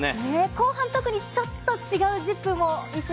後半特にちょっと違うＺＩＰ！